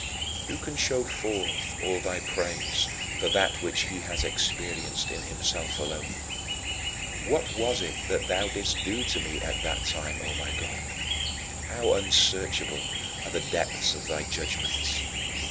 8. Who can show forth all thy praise for that which he has experienced in himself alone? What was it that thou didst do at that time, O my God; how unsearchable are the depths of thy judgments!